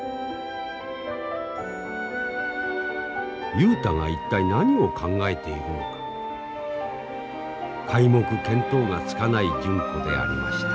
雄太が一体何を考えているのか皆目見当がつかない純子でありました。